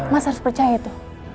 mas harus percaya itu